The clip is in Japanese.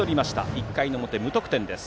１回の表、無得点です。